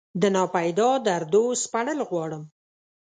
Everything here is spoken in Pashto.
دناپیدا دردو سپړل غواړم